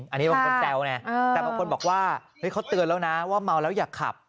อันนี้บางคนแซวไงแต่บางคนบอกว่าเขาเตือนแล้วนะว่าเมาแล้วอย่าขับ